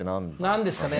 何ですかね？